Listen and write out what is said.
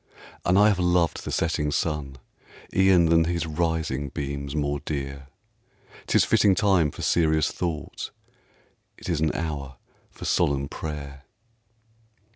And I have loved the setting sun, E'en than his rising beams more dear; 'Tis fitting time for serious thought, It is an hour for solemn prayer.